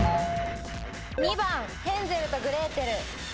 ２番ヘンゼルとグレーテル。